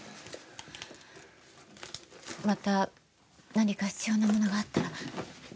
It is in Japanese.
また何か必要なものがあったら連絡して。